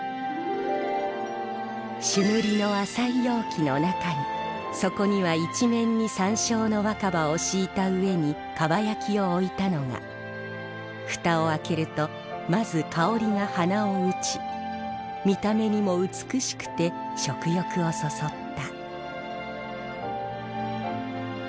「朱塗りの浅い容器のなかに底には一面に山椒の若葉を敷いた上に蒲焼を置いたのが蓋をあけると先づ香気が鼻を打ち見た眼にも美しくて食慾をそそった」。